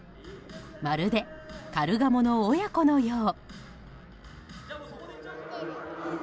まるでカルガモの親子のよう。